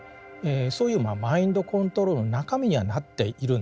そういうまあマインドコントロールの中身にはなっているんですね。